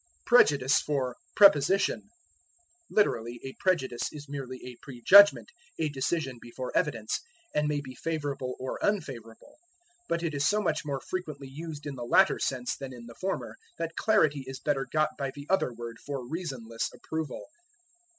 Prejudice for Prepossession. Literally, a prejudice is merely a prejudgment a decision before evidence and may be favorable or unfavorable, but it is so much more frequently used in the latter sense than in the former that clarity is better got by the other word for reasonless approval.